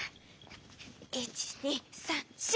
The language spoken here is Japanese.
１２３４！